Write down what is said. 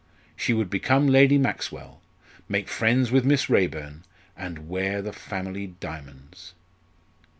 She would become Lady Maxwell, make friends with Miss Raeburn, and wear the family diamonds!